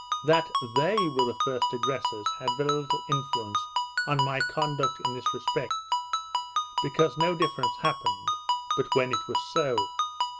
That they were the first aggressors had very little influence on my conduct in this respect, because no difference happened but when it was so.